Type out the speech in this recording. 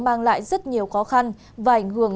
mang lại rất nhiều khó khăn và ảnh hưởng